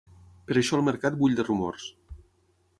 Per això el mercat bull de rumors.